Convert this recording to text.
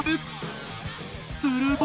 すると。